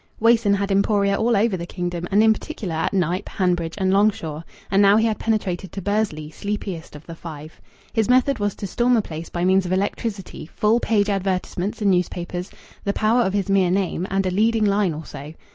Wason had emporia all over the kingdom, and in particular at Knype, Hanbridge, and Longshaw. And now he had penetrated to Bursley, sleepiest of the Five. His method was to storm a place by means of electricity, full page advertisements in news papers, the power of his mere name, and a leading line or so.